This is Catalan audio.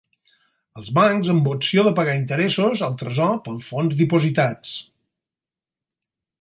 Els bancs amb opció de pagar interessos al tresor pels fons dipositats.